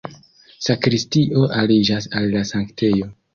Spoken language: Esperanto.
Sakristio aliĝas al la sanktejo.